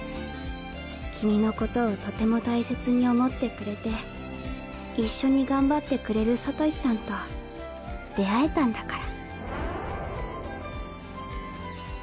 君のことをとても大切に思ってくれて一緒に頑張ってくれるサトシさんと出会えたんだから。